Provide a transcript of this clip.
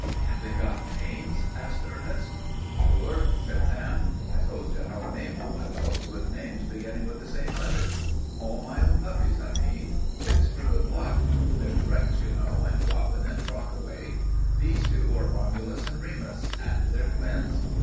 "Have they got names?" asked Ernest. "Sure," said Sam. "I told you how I name all my dogs with names beginning with the same letter. All my own puppies, I mean. It's for good luck. There's Rex, you know, and Robbin and Rockaway. These two are Romulus and Remus and they're twins.